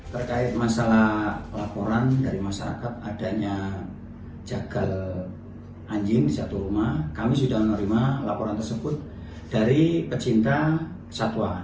terkait masalah laporan dari masyarakat adanya jagal anjing di satu rumah kami sudah menerima laporan tersebut dari pecinta satwa